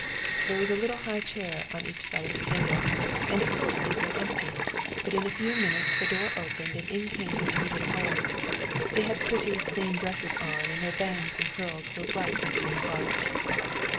There was a little high chair on each side of the table, and at first these were empty, but in a few minutes the door opened and in came the two little boys. They had pretty, clean dresses on, and their "bangs" and curls were bright with being brushed.